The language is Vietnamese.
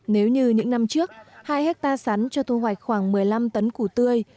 nếu như những năm trước hai hectare sắn cho thu hoạch khoảng một mươi năm tấn củ tươi